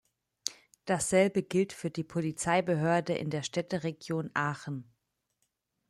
Dasselbe gilt für die Polizeibehörde in der Städteregion Aachen.